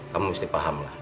kamu mesti pahamlah